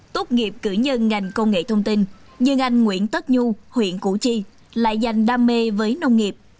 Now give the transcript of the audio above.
tốt nghiệp cử nhân ngành công nghệ thông tin nhưng anh nguyễn tất nhu huyện củ chi lại dành đam mê với nông nghiệp